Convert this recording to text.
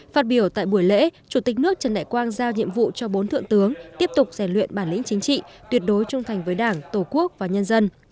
phát biểu tại buổi lễ chủ tịch nước trần đại quang giao nhiệm vụ cho bốn thượng tướng tiếp tục rèn luyện bản lĩnh chính trị tuyệt đối trung thành với đảng tổ quốc và nhân dân